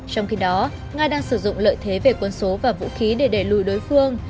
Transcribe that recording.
trong khi đó nga đang sử dụng lợi thế về quân số và vũ khí để đẩy lùi đối phương